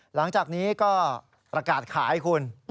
หลังจากนี้ก็ประกาศขายคุณ